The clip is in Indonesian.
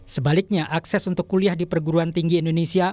sebaliknya akses untuk kuliah di perguruan tinggi indonesia